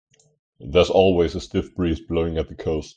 There's always a stiff breeze blowing at the coast.